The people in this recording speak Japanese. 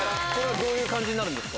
どういう感じになるんですか？